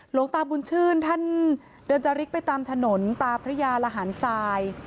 หลวงตาบุญชื่นท่านเดินจาริกไปตามถนนตาพระยาระหารทราย